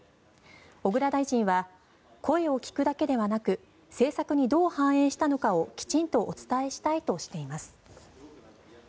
小倉大臣は声を聞くだけではなく政策にどう反映したのかをきちんとお伝えしたいとしています。